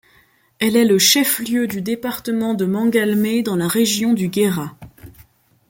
Elle est le chef-lieu du département de Mangalmé dans la région du Guéra.